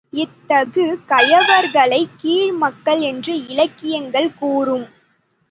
இத்தகு கயவர்களைக் கீழ் மக்கள் என்று இலக்கியங்கள் கூறும்.